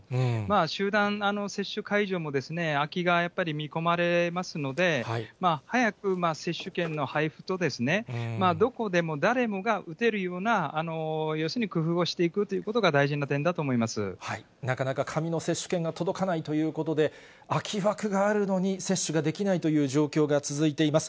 集団接種会場も空きがやっぱり見込まれますので、早く接種券の配布と、どこでも誰もが打てるような工夫をしていくということが大事な点なかなか紙の接種券が届かないということで、空き枠があるのに接種ができないという状況が続いています。